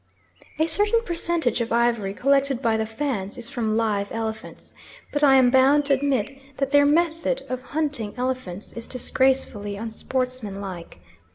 A certain percentage of ivory collected by the Fans is from live elephants, but I am bound to admit that their method of hunting elephants is disgracefully unsportsmanlike.